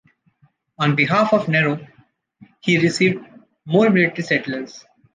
On behalf of Nero, he received more military settlers.